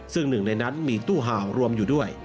ซึ่งหนึ่งในนั้นมีตู้ห่าวรวมอยู่ด้วย